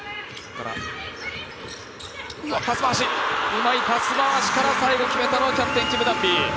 うまいパス回しから最後決めたのは、キャプテンのキム・ダンビ。